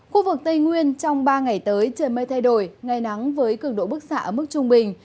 khu vực tây nguyên trong ba ngày tới trời mây thay đổi ngày nắng với cường độ bức xạ ở mức trung bình